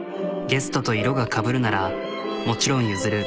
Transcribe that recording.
ゲストと色がかぶるならもちろん譲る。